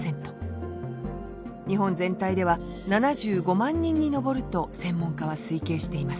日本全体では７５万人に上ると専門家は推計しています